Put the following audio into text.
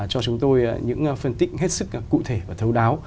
cho chúng tôi những phân tích hết sức cụ thể và thấu đáo